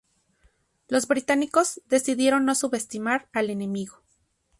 Los británicos decidieron no subestimar al enemigo.